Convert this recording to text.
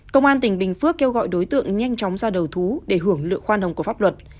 công an tỉnh bình phước kêu gọi đối tượng nhanh chóng ra đầu thú để hưởng lượng khoan hồng của pháp luật